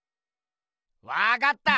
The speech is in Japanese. わかった！